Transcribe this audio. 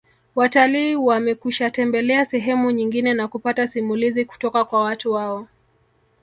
Watalii wamekwishatembelea sehemu nyingine na kupata simulizi kutoka kwa watu wao